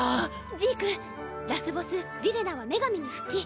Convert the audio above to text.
ジークラスボスリレナは女神に復帰。